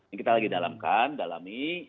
yang kita lagi dalamkan dalami